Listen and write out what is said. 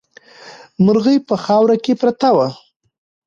مرغۍ په خاورو کې پرته وه.